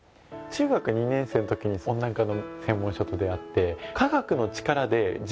中学２年生の時に温暖化の専門書と出会って。